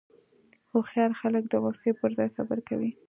هوښیار خلک د غوسې پر ځای صبر کوي.